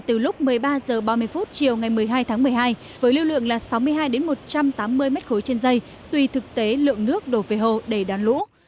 từ lúc một mươi ba h ba mươi chiều ngày một mươi hai tháng một mươi hai với lưu lượng là sáu mươi hai một trăm tám mươi m ba trên dây tùy thực tế lượng nước đổ về hồ để đón lũ